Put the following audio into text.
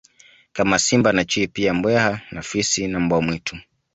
Kama simba na chui pia mbweha na fisi na mbwa mwitu